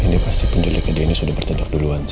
ini pasti penjeliknya dia ini sudah bertindak duluan zek